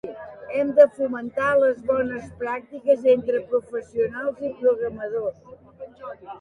També ha de fomentar les bones pràctiques entre professionals i programadors.